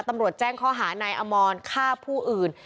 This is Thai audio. ตำรวจแจ้งข้อหานายอมรฆ่าผู้อื่น